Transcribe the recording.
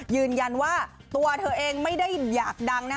ยืนยันว่าตัวเธอเองไม่ได้อยากดังนะ